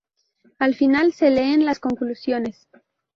Al final se leen las conclusiones.